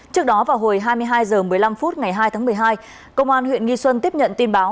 trước đó vào hồi hai mươi hai h một mươi năm phút ngày hai tháng một mươi hai công an huyện nghi xuân tiếp nhận tin báo